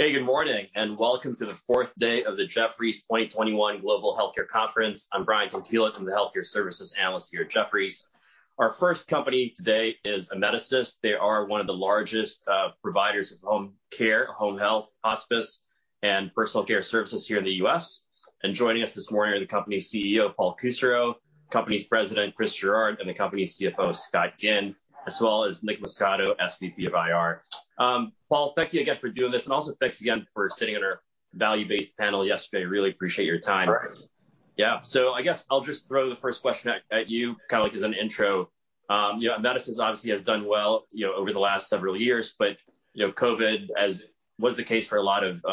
Hey, good morning and welcome to the fourth day of the Jefferies 2021 Virtual Healthcare Conference. I'm Brian Tanquilut, I'm the Healthcare Services Analyst here at Jefferies. Our first company today is Amedisys. They are one of the largest providers of home care, home health, hospice, and personal care services here in the U.S. and joining us this morning are the company's CEO, Paul Kusserow, company's President, Chris Gerard, and the company's CFO, Scott Ginn, as well as Nick Muscato, SVP of IR. Paul, thank you again for doing this, and also thanks again for sitting at our value-based panel yesterday. I really appreciate your time. Of course. Yeah. I guess I'll just throw the first question at you, kind of as an intro. Amedisys obviously has done well over the last several years, but COVID, as was the case for a lot of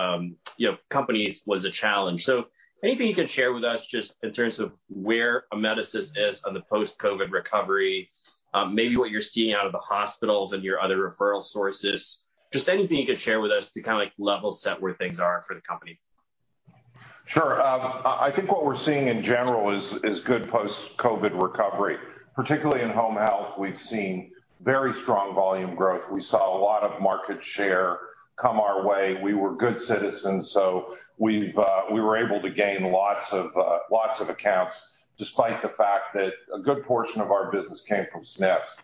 companies, was a challenge. Anything you can share with us just in terms of where Amedisys is on the post-COVID recovery, maybe what you're seeing out of the hospitals and your other referral sources, just anything you can share with us to kind of level set where things are for the company? Sure. I think what we're seeing in general is good post-COVID recovery, particularly in home health. We've seen very strong volume growth. We saw a lot of market share come our way. We were good citizens. We were able to gain lots of accounts, despite the fact that a good portion of our business came from SNFs.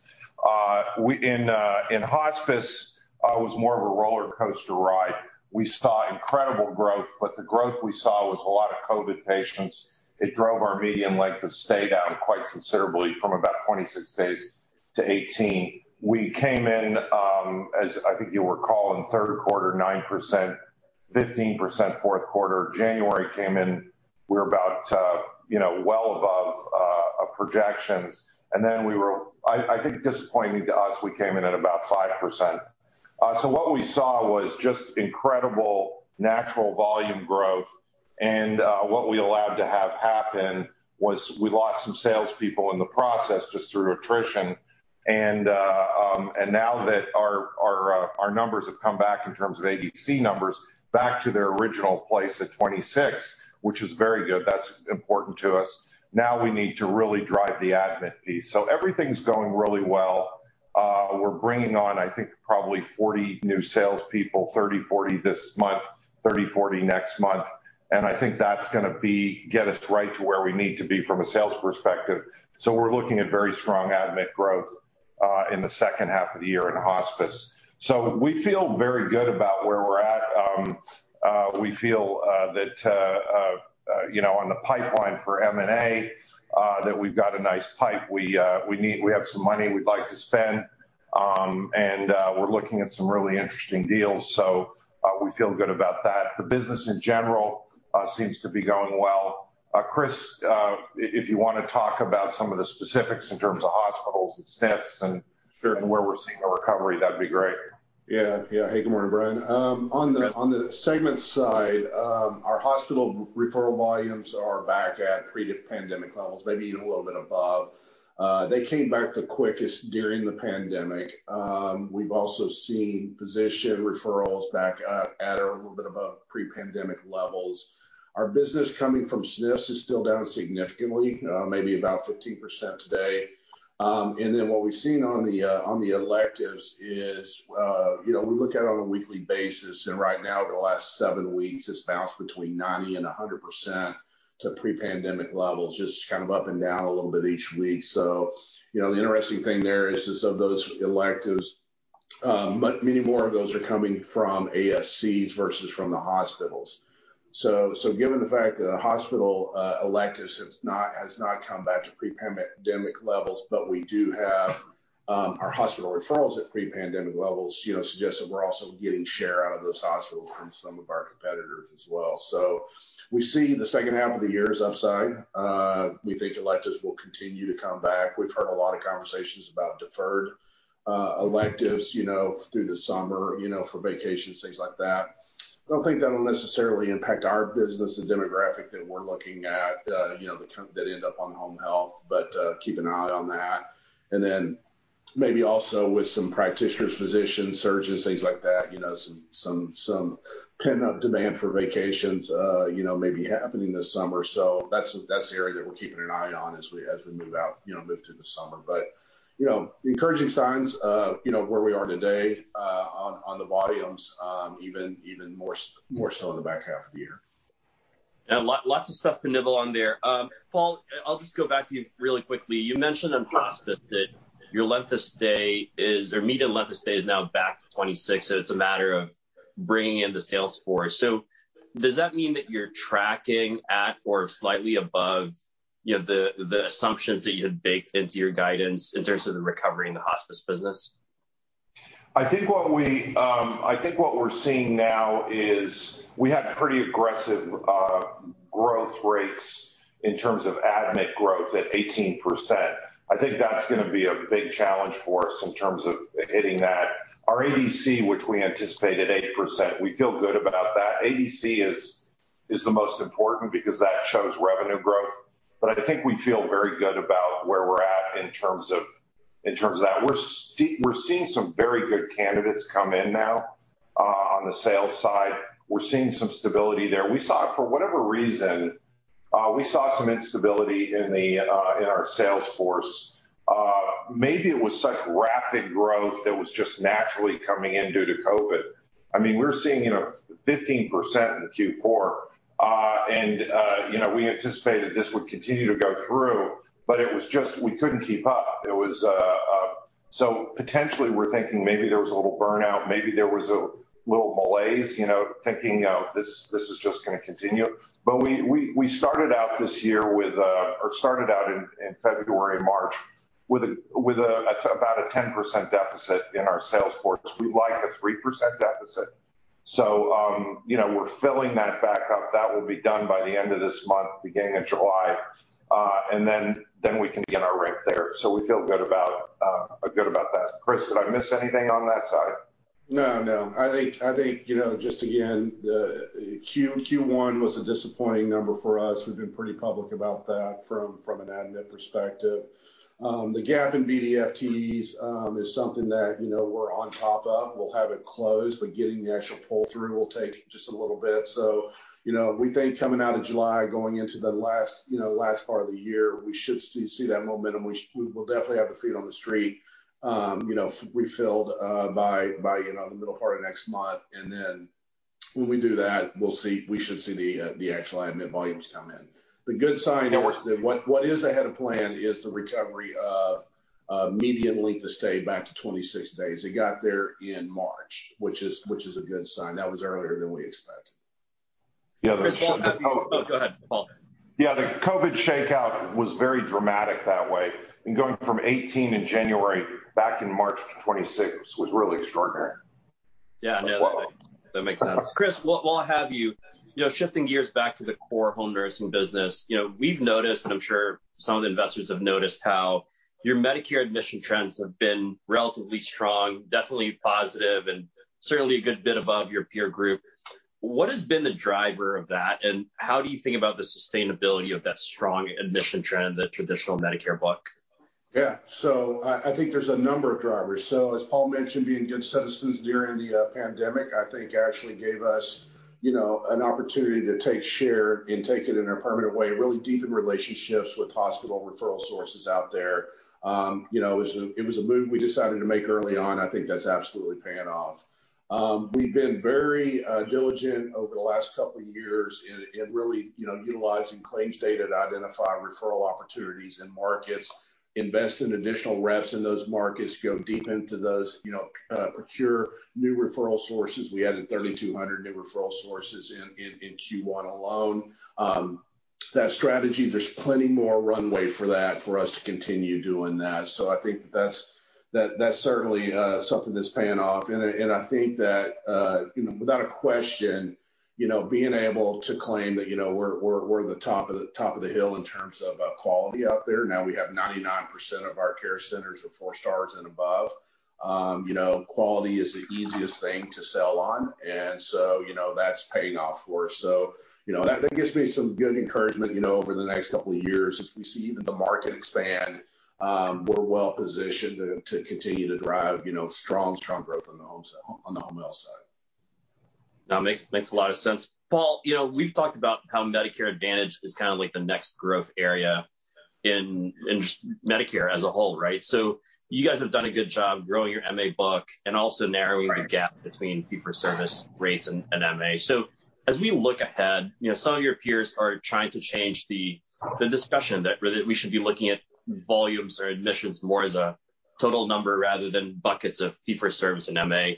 In hospice, it was more of a roller coaster ride. We saw incredible growth. The growth we saw was a lot of COVID patients. It drove our median length of stay down quite considerably from about 26 days to 18. We came in, as I think you'll recall, in the third quarter, 9%, 15% fourth quarter, January came in, we were well above projections. We were, I think, disappointing to us. We came in at about 5%. What we saw was just incredible natural volume growth, and what we allowed to have happen was we lost some salespeople in the process just through attrition. Now that our numbers have come back in terms of ADC numbers, back to their original place at 26, which is very good. That's important to us. We need to really drive the admit fee. Everything's going really well. We're bringing on, I think, probably 40 new salespeople, 30, 40 this month, 30, 40 next month, and I think that's going to get us right to where we need to be from a sales perspective. We're looking at very strong admit growth in the second half of the year in hospice. We feel very good about where we're at. We feel that in the pipeline for M&A, that we've got a nice pipe. We have some money we'd like to spend, and we're looking at some really interesting deals, so we feel good about that. The business, in general, seems to be going well. Chris, if you want to talk about some of the specifics in terms of hospitals, SNFs, and where we're seeing a recovery, that'd be great. Hey, good morning, Brian. On the segment side, our hospital referral volumes are back at pre-pandemic levels, maybe a little bit above. They came back the quickest during the pandemic. We've also seen physician referrals back at or a little bit above pre-pandemic levels. Our business coming from SNFs is still down significantly, maybe about 15% today. What we've seen on the electives is, we look at it on a weekly basis, and right now in the last seven weeks, it's bounced between 90%-100% to pre-pandemic levels, just kind of up and down a little bit each week. The interesting thing there is of those electives, many more of those are coming from ASCs versus from the hospitals. Given the fact that hospital electives has not come back to pre-pandemic levels, but we do have our hospital referrals at pre-pandemic levels, suggests that we're also getting share out of those hospitals from some of our competitors as well. We see the second half of the year's upside. We think electives will continue to come back. We've heard a lot of conversations about deferred electives through the summer, for vacations, things like that. I don't think that'll necessarily impact our business, the demographic that we're looking at that end up on home health, but keep an eye on that. Then maybe also with some practitioners, physicians, surgeons, things like that, some pent-up demand for vacations may be happening this summer. That's the area that we're keeping an eye on as we move through the summer. Encouraging signs of where we are today on the volumes, even more so in the back half of the year. Yeah, lots of stuff to nibble on there. Paul, I'll just go back to you really quickly. You mentioned in hospice that your length of stay is, or median length of stay is now back to 26, so it's a matter of bringing in the sales force. Does that mean that you're tracking at or slightly above the assumptions that you had baked into your guidance in terms of the recovery in the hospice business? I think what we're seeing now is we had pretty aggressive growth rates in terms of admit growth at 18%. I think that's going to be a big challenge for us in terms of hitting that. Our ADC, which we anticipate at 8%, we feel good about that. ADC is the most important because that shows revenue growth. I think we feel very good about where we're at in terms of that. We're seeing some very good candidates come in now on the sales side. We're seeing some stability there. We saw some instability in our sales force. Maybe it was such rapid growth that was just naturally coming in due to COVID. We were seeing 15% in Q4, and we anticipated this would continue to go through, but it was just we couldn't keep up. Potentially, we're thinking maybe there was a little burnout, maybe there was a little malaise, thinking, oh, this is just going to continue. We started out in February, March, with about a 10% deficit in our sales force. We like a 3% deficit. We're filling that back up. That will be done by the end of this month, beginning of July. Then we can get our rep there. We feel good about that. Chris, did I miss anything on that side? No. I think, just again, Q1 was a disappointing number for us. We've been pretty public about that from an admit perspective. The gap in BD FTEs is something that we're on top of. We'll have it closed, but getting the actual pull-through will take just a little bit. We think coming out of July, going into the last part of the year, we should see that momentum. We will definitely have the feet on the street refilled by the middle part of next month, and then when we do that, we should see the actual admit volumes come in. The good sign is what is ahead of plan is the recovery of median length of stay back to 26 days. It got there in March, which is a good sign. That was earlier than we expected. The other. Go ahead, Paul. Yeah, the COVID shakeout was very dramatic that way, and going from 18 in January back in March to 26 was really extraordinary. Yeah. No, that makes sense. Chris, while I have you, shifting gears back to the core home nursing business. We've noticed, and I'm sure some investors have noticed, how your Medicare admission trends have been relatively strong, definitely positive, and certainly a good bit above your peer group. What has been the driver of that, and how do you think about the sustainability of that strong admission trend in the traditional Medicare book? I think there's a number of drivers. As Paul mentioned, being good citizens during the pandemic, I think actually gave us an opportunity to take share and take it in a permanent way, really deepen relationships with hospital referral sources out there. It was a move we decided to make early on. I think that's absolutely paying off. We've been very diligent over the last couple of years in really utilizing claims data to identify referral opportunities in markets, invest in additional reps in those markets, go deep into those, procure new referral sources. We added 3,200 new referral sources in Q1 alone. That strategy, there's plenty more runway for that for us to continue doing that. I think that's certainly something that's paying off. I think that, without a question, being able to claim that we're the top of the hill in terms of quality out there now. We have 99% of our care centers are 4 stars and above. Quality is the easiest thing to sell on, and so that's paying off for us. That gives me some good encouragement over the next couple of years as we see even the market expand. We're well positioned to continue to drive strong growth on the home health side. That makes a lot of sense. Paul, we've talked about how Medicare Advantage is kind of like the next growth area in Medicare as a whole, right? You guys have done a good job growing your MA book and also narrowing the gap between fee-for-service rates and MA. As we look ahead, you know, some of your peers are trying to change the discussion that whether we should be looking at volumes or admissions more as a total number rather than buckets of fee-for-service and MA.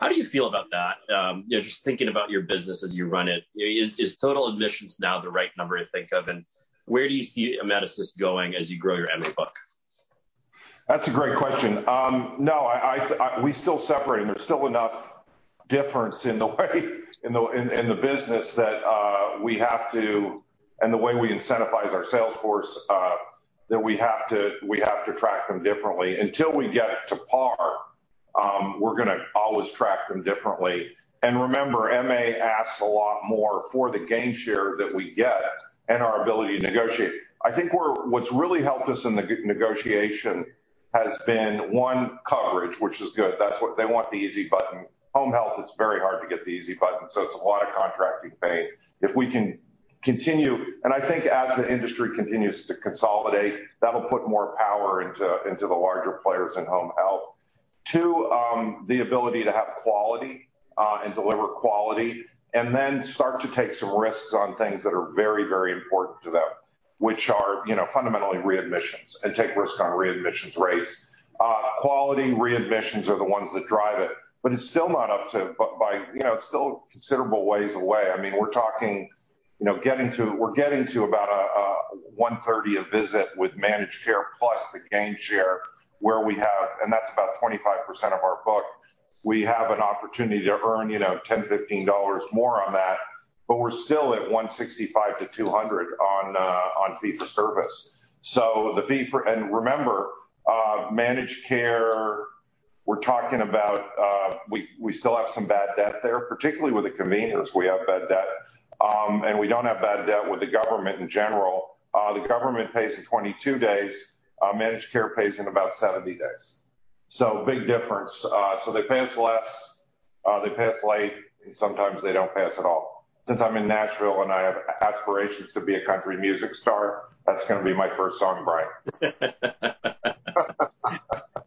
How do you feel about that, just thinking about your business as you run it? Is total admissions now the right number to think of, and where do you see Amedisys going as you grow your MA book? That's a great question. We still separate. There's still enough difference in the way, in the business, and the way we incentivize our sales force, that we have to track them differently. Until we get to par, we're going to always track them differently. Remember, MA asks a lot more for the gain share that we get and our ability to negotiate. I think what's really helped us in the negotiation has been, one, coverage, which is good. They want the easy button. Home health, it's very hard to get the easy button, it's a lot of contracting pain. If we can continue, I think as the industry continues to consolidate, that'll put more power into the larger players in home health. Two, the ability to have quality and deliver quality, and then start to take some risks on things that are very important to them, which are fundamentally readmissions, and take risks on readmissions rates. Quality and readmissions are the ones that drive it, but it's still a considerable ways away. We're getting to about $130 a visit with managed care plus the gain share, and that's about 25% of our book. We have an opportunity to earn $10, $15 more on that, but we're still at $165-$200 on fee-for-service. Remember, managed care, we're talking about we still have some bad debt there, particularly with the conveners, we have bad debt. We don't have bad debt with the government in general. The government pays in 22 days, managed care pays in about 70 days. Big difference. They pay us less, they pay us late, and sometimes they don't pay us at all. Since I'm in Nashville and I have aspirations to be a country music star, that's going to be my first song, Brian.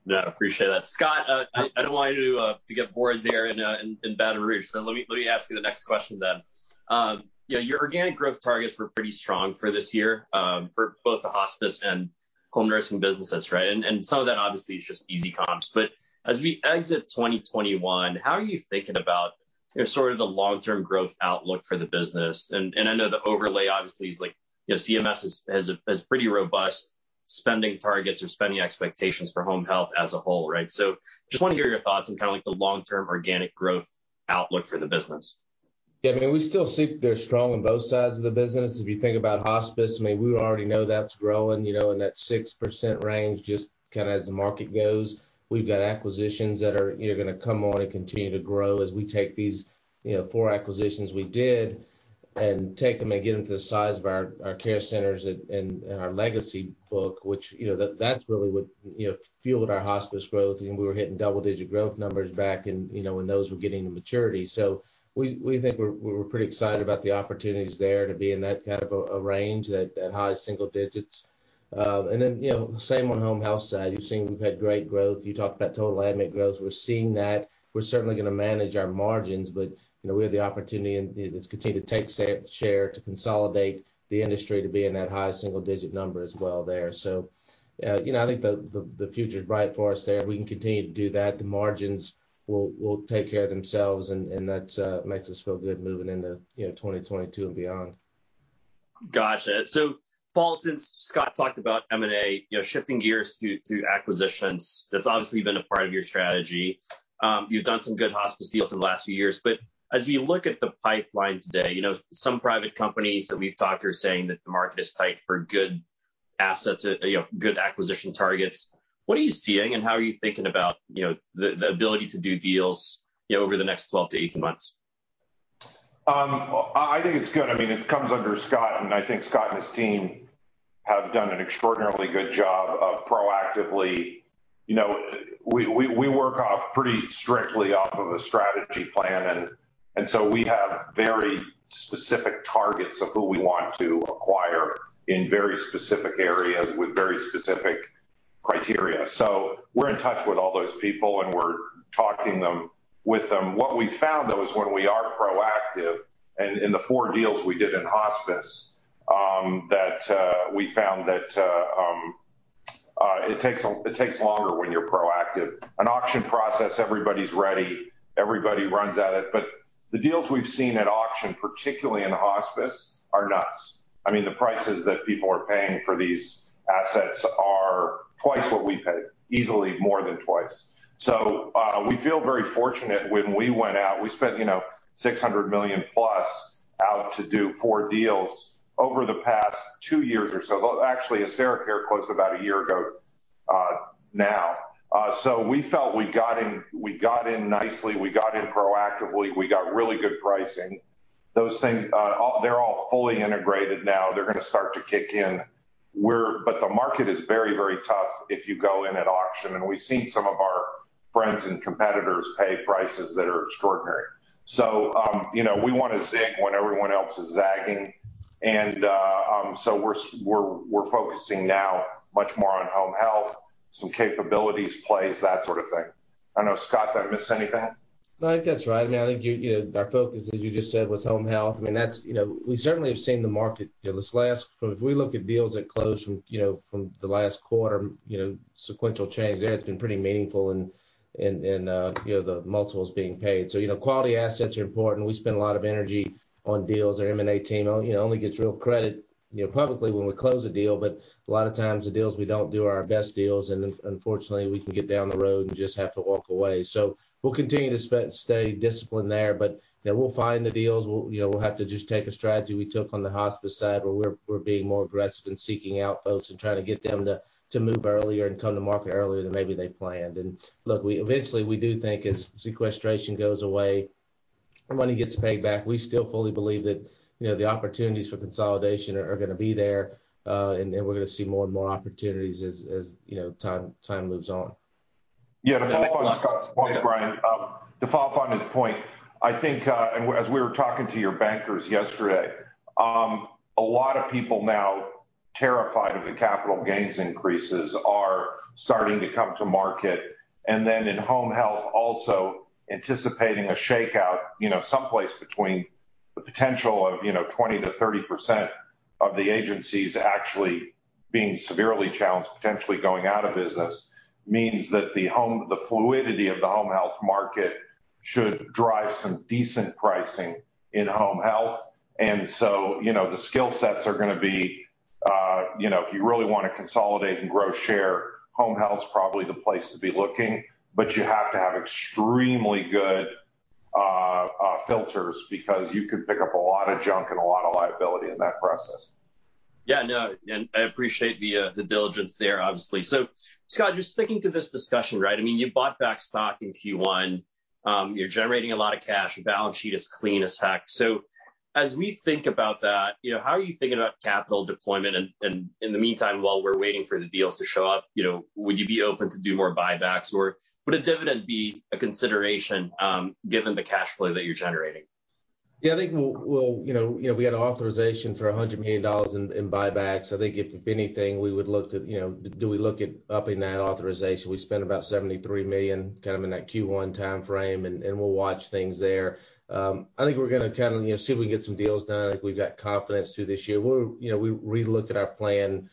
No, I appreciate that. Scott, I don't want you to get bored there in Baton Rouge, so let me ask you the next question then. Your organic growth targets were pretty strong for this year, for both the hospice and home nursing businesses, right? Some of that, obviously, is just easy comps. As we exit 2021, how are you thinking about the long-term growth outlook for the business? I know the overlay, obviously, is CMS has pretty robust spending targets or spending expectations for home health as a whole, right? Just want to hear your thoughts on the long-term organic growth outlook for the business. Yeah, we still think they're strong on both sides of the business. If you think about hospice, we already know that's growing in that 6% range, just as the market goes. We've got acquisitions that are going to come on and continue to grow as we take these four acquisitions we did and take them against the size of our care centers and our legacy book, which that's really what fueled our hospice growth. We were hitting double-digit growth numbers back when those were getting to maturity. We think we're pretty excited about the opportunities there to be in that kind of a range, that high single digits. Same on home health side. You've seen we've had great growth. You talked about total admit growth. We're seeing that. We're certainly going to manage our margins, we have the opportunity as we continue to take share to consolidate the industry to be in that high single-digit number as well there. I think the future's bright for us there. We can continue to do that. The margins will take care of themselves, and that makes us feel good moving into 2022 and beyond. Gotcha. Paul, since Scott talked about M&A, shifting gears to acquisitions, that's obviously been a part of your strategy. You've done some good hospice deals in the last few years. As we look at the pipeline today, some private companies that we've talked to are saying that the market is tight for good assets and good acquisition targets. What are you seeing and how are you thinking about the ability to do deals over the next 12-18 months? It comes under Scott, and I think Scott and his team have done an extraordinarily good job of proactively. We work off pretty strictly off of a strategy plan. We have very specific targets of who we want to acquire in very specific areas with very specific criteria. We're in touch with all those people, and we're talking with them. What we found, though, is when we are proactive, and in the four deals we did in hospice, that we found that it takes longer when you're proactive. An auction process, everybody's ready, everybody runs at it. The deals we've seen at auction, particularly in hospice, are nuts. The prices that people are paying for these assets are twice what we paid, easily more than twice. We feel very fortunate when we went out, we spent $600 million+ out to do four deals over the past two years or so. Actually, AseraCare closed about a year ago now. We felt we got in nicely, we got in proactively, we got really good pricing. Those things, they're all fully integrated now. They're going to start to kick in. The market is very, very tough if you go in at auction, and we've seen some of our friends and competitors pay prices that are extraordinary. We want to zig when everyone else is zagging, we're focusing now much more on home health, some capabilities plays, that sort of thing. I know, Scott, did I miss anything? No, I think that's right. Our focus, as you just said, was home health. We certainly have seen the market, if we look at deals that closed from the last quarter, sequential trends there have been pretty meaningful and the multiples being paid. Quality assets are important. We spend a lot of energy on deals. Our M&A team only gets real credit probably when we close a deal, but a lot of times the deals we don't do are our best deals, and unfortunately, we can get down the road and just have to walk away. We'll continue to stay disciplined there, but we'll find the deals. We'll have to just take a strategy we took on the hospice side, where we're being more aggressive in seeking out folks and trying to get them to move earlier and come to market earlier than maybe they planned. Look, eventually, we do think as sequestration goes away and money gets paid back, we still fully believe that the opportunities for consolidation are going to be there, and we're going to see more and more opportunities as time moves on. Yeah, to follow up on Scott's point, Brian, to follow up on his point, I think as we were talking to your bankers yesterday, a lot of people now terrified of the capital gains increases are starting to come to market. In home health also anticipating a shakeout, someplace between the potential of 20%-30% of the agencies actually being severely challenged, potentially going out of business, means that the fluidity of the home health market should drive some decent pricing in home health. The skill sets are going to be, if you really want to consolidate and grow share, home health's probably the place to be looking. You have to have extremely good filters because you can pick up a lot of junk and a lot of liability in that process. Yeah, no, I appreciate the diligence there, obviously. Scott, just sticking to this discussion, right? You bought back stock in Q1. You're generating a lot of cash. The balance sheet is clean as heck. As we think about that, how are you thinking about capital deployment in the meantime while we're waiting for the deals to show up? Would you be open to doing more buybacks, or would a dividend be a consideration given the cash flow that you're generating? Yeah, I think we had authorization for $100 million in buybacks. I think if anything, we would look at upping that authorization. We spent about $73 million in that Q1 timeframe. We'll watch things there. I think we're going to see if we get some deals done. If we've got confidence through this year, we'll re-look at our plan.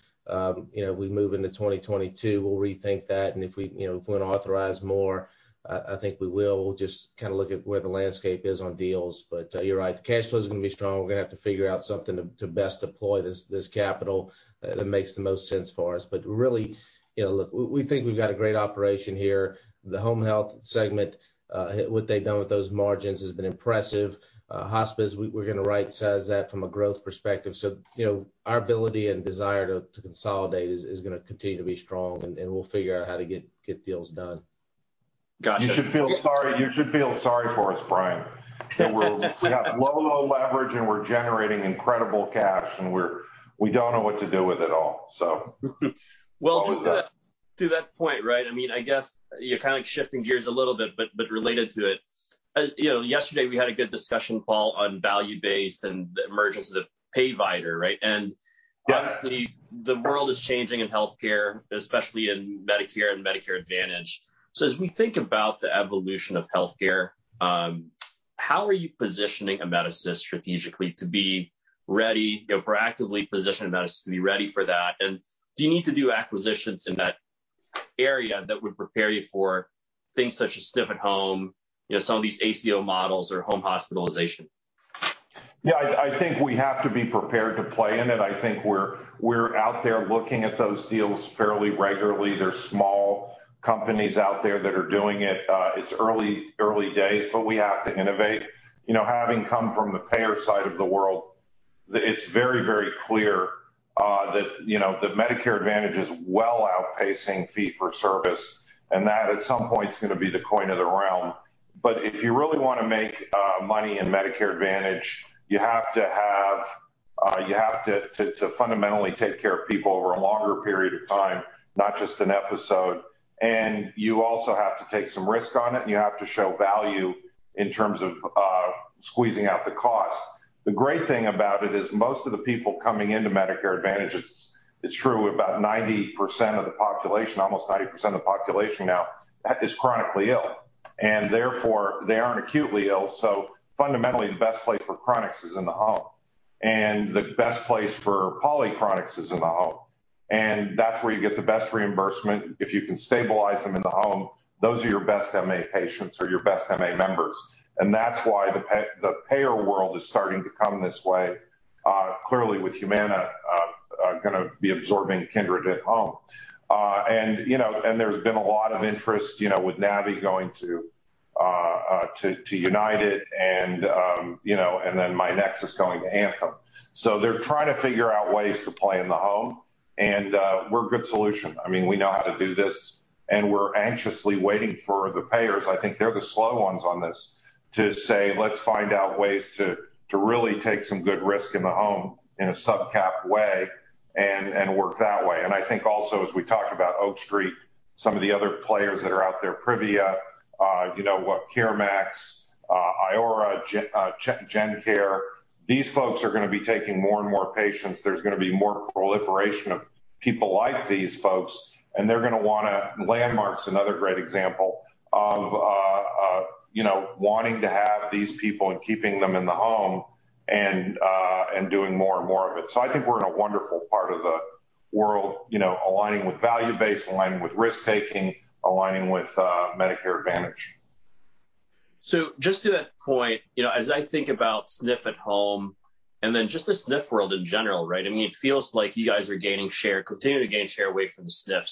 We move into 2022, we'll rethink that. If we want to authorize more, I think we will. We'll just look at where the landscape is on deals. You're right, cash flow is going to be strong. We're going to have to figure out something to best deploy this capital that makes the most sense for us. Really, we think we've got a great operation here. The home health segment, what they've done with those margins has been impressive. Hospice, we're going to right-size that from a growth perspective. Our ability and desire to consolidate is going to continue to be strong, and we'll figure out how to get deals done. Got you. You should feel sorry for us, Brian. We're low on leverage and we're generating incredible cash, and we don't know what to do with it all. Well, just to that point, right, I guess you're kind of shifting gears a little bit, but related to it. Yesterday, we had a good discussion, Paul, on value-based and the emergence of the payvider, right? Obviously, the world is changing in healthcare, especially in Medicare and Medicare Advantage. As we think about the evolution of healthcare, how are you positioning Amedisys strategically to be ready, proactively position Amedisys to be ready for that? Do you need to do acquisitions in that area that would prepare you for things such as SNF at home, some of these ACO models or home hospitalization? Yeah, I think we have to be prepared to play in it. I think we're out there looking at those deals fairly regularly. There's small companies out there that are doing it. It's early days, but we have to innovate. Having come from the payer side of the world, it's very, very clear that Medicare Advantage is well outpacing fee-for-service, and that at some point is going to be the coin of the realm. If you really want to make money in Medicare Advantage, you have to fundamentally take care of people over a longer period of time, not just an episode. You also have to take some risk on it, and you have to show value in terms of squeezing out the cost. The great thing about it is most of the people coming into Medicare Advantage, it's true, about 90% of the population, almost 90% of the population now is chronically ill, and therefore they aren't acutely ill. Fundamentally, the best place for chronics is in the home, and the best place for polychronics is in the home. That's where you get the best reimbursement. If you can stabilize them in the home, those are your best MA patients or your best MA members. That's why the payer world is starting to come this way. Clearly, with Humana going to be absorbing Kindred at Home. There's been a lot of interest with Navi going to United and then myNEXUS is going to Anthem. They're trying to figure out ways to play in the home, and we're a good solution. We know how to do this. We're anxiously waiting for the payers. I think they're the slow ones on this to say, let's find out ways to really take some good risk in the home in a sub-cap way and work that way. I think also, as we talk about Oak Street, some of the other players that are out there, Privia, CareMax, Iora, JenCare, these folks are going to be taking more and more patients. There's going to be more proliferation of people like these folks. They're going to want to. Landmark's another great example of wanting to have these people and keeping them in the home and doing more and more of it. I think we're in a wonderful part of the world, aligning with value-based, aligning with risk-taking, aligning with Medicare Advantage. Just to that point, as I think about SNF at home and then just the SNF world in general, right, it feels like you guys are gaining share, continuing to gain share away from SNF.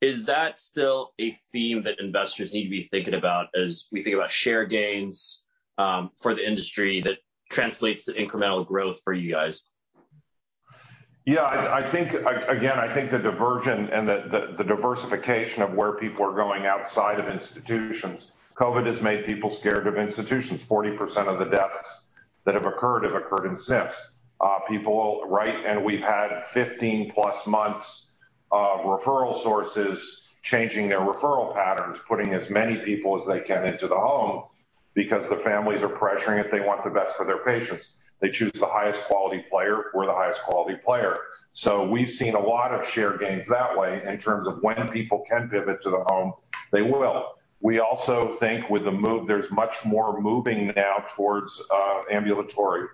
Is that still a theme that investors need to be thinking about as we think about share gains for the industry that translates to incremental growth for you guys? Yeah, again, I think the diversion and the diversification of where people are going outside of institutions. COVID has made people scared of institutions. 40% of the deaths that have occurred have occurred in SNFs. Right. We've had 15+ months of referral sources changing their referral patterns, putting as many people as they can into the home because the families are pressuring it. They want the best for their patients. They choose the highest quality player. We're the highest quality player. We've seen a lot of share gains that way in terms of when people can pivot to the home, they will. We also think with the move, there's much more moving now towards ambulatory,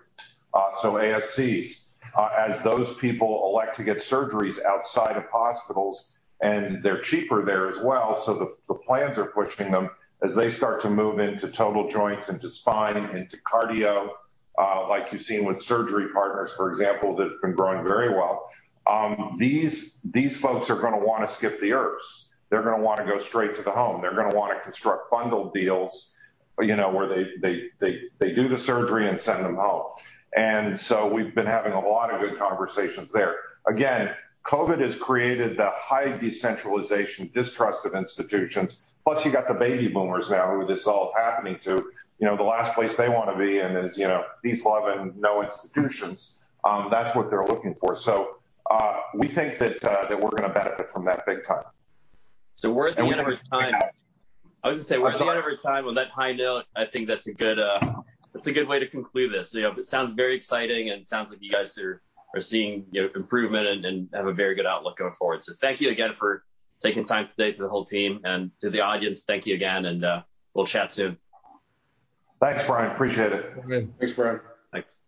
so ASCs. As those people elect to get surgeries outside of hospitals, and they're cheaper there as well, so the plans are pushing them as they start to move into total joints, into spine, into cardio, like you've seen with Surgery Partners, for example, that's been growing very well. These folks are going to want to skip the IRFs. They're going to want to go straight to the home. They're going to want to construct bundled deals where they do the surgery and send them home. We've been having a lot of good conversations there. Again, COVID has created that high decentralization, distrust of institutions, plus you got the baby boomers now who this is all happening to. The last place they want to be in is these loving no institutions. That's what they're looking for. We think that we're going to benefit from that big time. We're at time. I was going to say we're at time with that high note. I think that's a good way to conclude this. It sounds very exciting, and it sounds like you guys are seeing improvement and have a very good outlook going forward. Thank you again for taking time today for the whole team and to the audience, thank you again, and we'll chat soon. Thanks, Brian. Appreciate it. Thanks, Brian. Thanks.